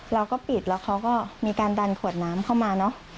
เราก็ปิดแล้วเขาก็มีการดันขวดน้ำเข้ามาเนอะ